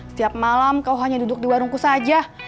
setiap malam kau hanya duduk di warungku saja